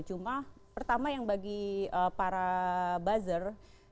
cuma pertama yang bagi para buzzer